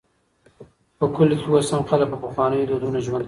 په کلیو کې اوس هم خلک په پخوانيو دودونو ژوند کوي.